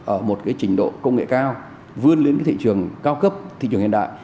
ở một trình độ công nghệ cao vươn đến thị trường cao cấp thị trường hiện đại